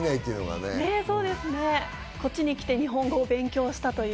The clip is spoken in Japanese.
こっちに来て日本語を勉強したという。